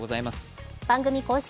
番組公式